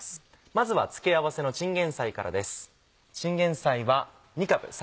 まずは付け合わせのチンゲンサイからです。